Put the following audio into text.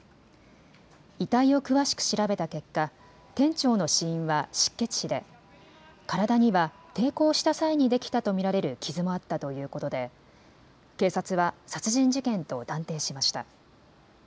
遺体を詳しく調べた結果、店長の死因は失血死で体には抵抗した際にできたと見られる傷もあったということで警察は殺人事件と断定しました。